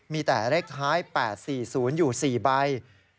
มีแต่เลขท้าย๘๔๐อยู่๔ใบ